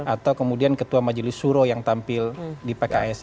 atau kemudian ketua majelis suro yang tampil di pks